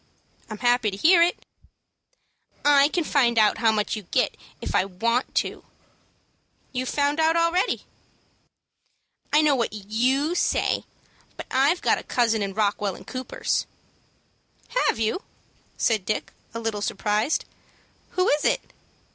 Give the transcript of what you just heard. "I'm happy to hear it." "I can find out how much you get, if I want to." "You've found out already." "I know what you say, but I've got a cousin in Rockwell & Cooper's." "Have you?" asked Dick, a little surprised. "Who is it?"